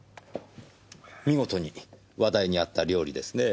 見事に話題に合った料理ですねぇ。